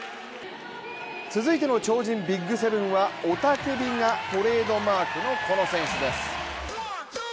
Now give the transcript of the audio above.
続いての超人ＢＩＧ７は雄叫びがトレードマークのこの選手です。